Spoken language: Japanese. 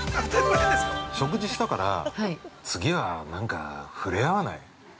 ◆食事したから、次はなんか触れ合わない？